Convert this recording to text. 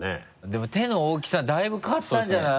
でも手の大きさだいぶ変わったんじゃない？